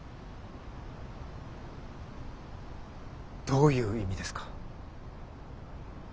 どういう意味ですか。